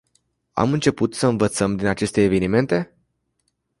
Am început să învățăm din aceste evenimente?